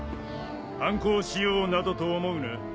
反抗しようなどと思うな。